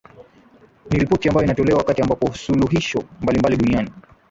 niripoti ambayo inatolewa wakati ambapo suluhishi mbalimbali duniani